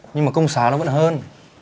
nhưng mà công xá nó vẫn hơn